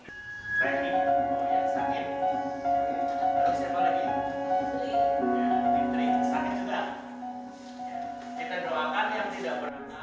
kita doakan yang tidak berhubungan